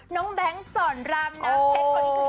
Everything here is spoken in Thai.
น้องแบ๊งส่วนรามนาภัยสุดเอง